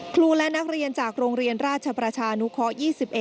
ครูและนักเรียนจากโรงเรียนราชประชานุเคราะห์๒๑